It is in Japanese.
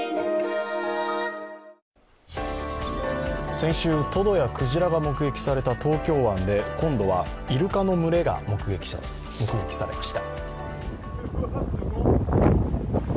先週、トドや鯨が目撃された東京湾で今度はイルカの群れが目撃されました。